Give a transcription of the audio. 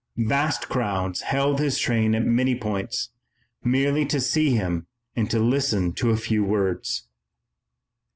Vast crowds held his train at many points, merely to see him and listen to a few words.